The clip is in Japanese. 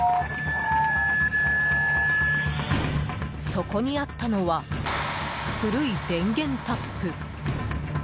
そこにあったのは古い電源タップ。